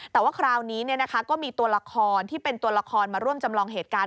แต่ว่าคราวนี้ก็มีตัวละครที่เป็นตัวละครมาร่วมจำลองเหตุการณ์